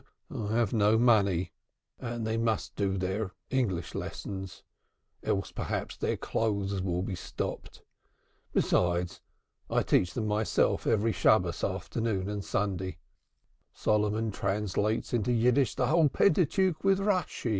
"I have no money, and they must do their English lessons. Else, perhaps, their clothes will be stopped. Besides, I teach them myself every Shabbos afternoon and Sunday. Solomon translates into Yiddish the whole Pentateuch with Rashi."